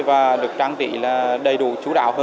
và được trang trí là đầy đủ chú đạo hơn